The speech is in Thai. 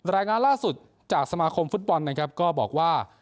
รายงานล่าจากสมาคมฟุตบอลก็บอกว่า